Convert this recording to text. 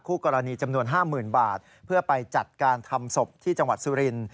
กรณีจำนวน๕๐๐๐บาทเพื่อไปจัดการทำศพที่จังหวัดสุรินทร์